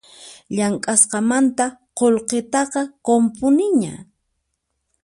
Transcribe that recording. Llamk'asqanmanta qullqitaqa qunpuniña